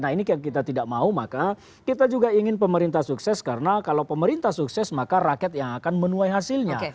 nah ini yang kita tidak mau maka kita juga ingin pemerintah sukses karena kalau pemerintah sukses maka rakyat yang akan menuai hasilnya